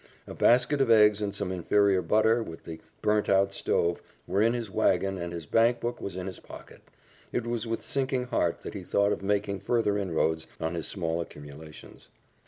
A basket of eggs and some inferior butter, with the burnt out stove, were in his wagon and his bank book was in his pocket. It was with sinking heart that he thought of making further inroads on his small accumulations.